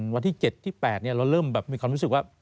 วันที่๗ที่๘เราเริ่มแบบมีความรู้สึกว่า